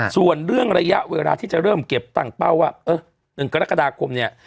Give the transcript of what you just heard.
ส่วนเรื่องระยะเวลาที่จะเริ่มเก็บตั้งเป้าว่าเออ๑กรกฎาคมเนี่ย